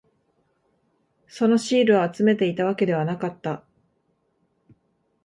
そのシールを集めていたわけではなかった。